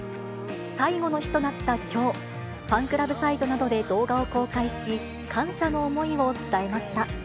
最後の日となったきょう、ファンクラブサイトなどで動画を公開し、感謝の思いを伝えました。